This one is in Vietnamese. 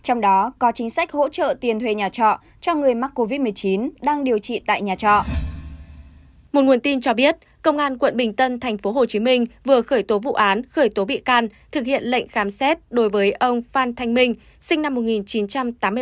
một nguồn tin cho biết công an quận bình tân tp hcm vừa khởi tố vụ án khởi tố bị can thực hiện lệnh khám xét đối với ông phan thanh minh sinh năm một nghìn chín trăm tám mươi ba